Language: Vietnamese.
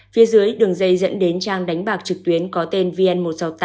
phía dưới đường dây dẫn đến trang đánh bạc trực tuyến có tên vn một trăm sáu mươi tám